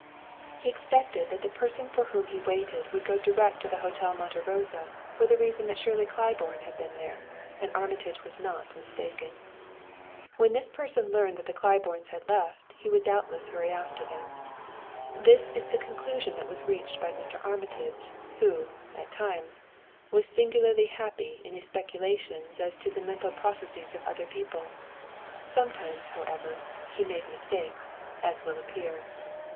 He expected that the person for whom he waited would go direct to the Hotel Monte Rosa for the reason that Shirley Claiborne had been there; and Armitage was not mistaken. When this person learned that the Claibornes had left, he would doubtless hurry after them. This is the conclusion that was reached by Mr. Armitage, who, at times, was singularly happy in his speculations as to the mental processes of other people. Sometimes, however, he made mistakes, as will appear.